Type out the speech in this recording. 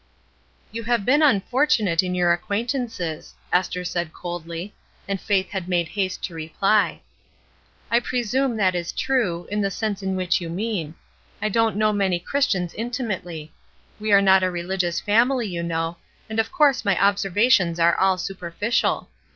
"You have been unfortunate in your ac quaintances," Esther said coldly; and Faith had made haste to reply :— "I presume that is true, in the sense in which you mean. I don't know many Christians " DELIBERATELY, AND FOREVER '* 221 intimately. We are not a religious family, you know, and of course my observations are all superficial.